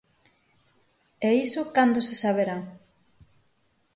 E iso cando se saberá?